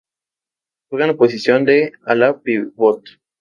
La primera temporada contó con once parejas y la segunda con doce.